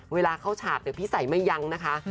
เวลาเข้าฉากพี่ใส่ไม่ยั้งนะคะ